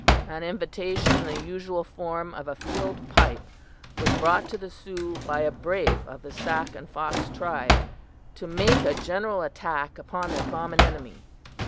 "An invitation in the usual form of a filled pipe was brought to the Sioux by a brave of the Sac and Fox tribe, to make a general attack upon their common enemy.